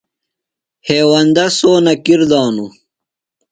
ہیوندہ سونہ کِر دانوۡ۔